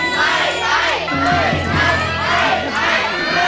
ไม่ใช่